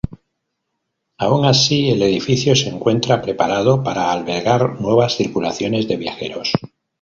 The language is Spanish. Aun así el edificio se encuentra preparado para albergar nuevas circulaciones de viajeros.